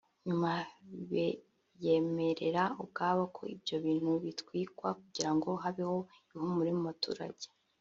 nyuma biyemerera ubwabo ko ibyo bintu bitwikwa kugira ngo habeho ihumure mu baturage